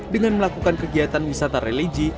dengan melakukan kegiatan wisata religi